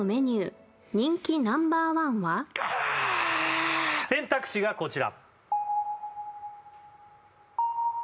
ぐあっ選択肢がこちら